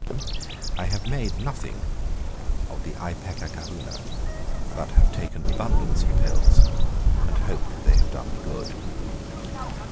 'I have made nothing of the Ipecacuanha, but have taken abundance of pills, and hope that they have done me good.